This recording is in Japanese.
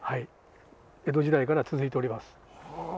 江戸時代から続いております。